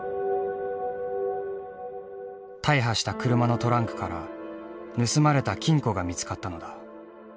大破した車のトランクから盗まれた金庫が見つかったのだ。